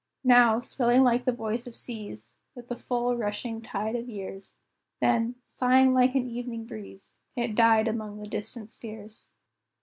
Now, swelling like the voice of seas, With the full, rushing tide of years, Then, sighing like an evening breeze, It died among the distant spheres.